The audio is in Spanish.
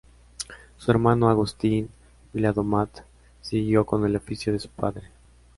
Su hermano, Agustín Viladomat, siguió con el oficio de su padre.